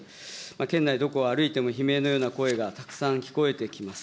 県内どこ歩いても悲鳴のような声がたくさん聞こえてきます。